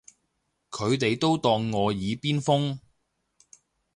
佢哋都當我耳邊風